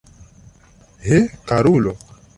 He, karulo!